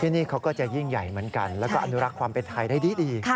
นี่เขาก็จะยิ่งใหญ่เหมือนกันแล้วก็อนุรักษ์ความเป็นไทยได้ดี